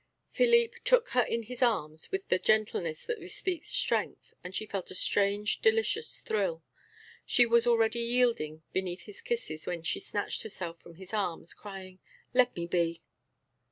Philippe took her in his arms with the gentleness that bespeaks strength, and she felt a strange, delicious thrill. She was already yielding beneath his kisses when she snatched herself from his arms, crying: "Let me be."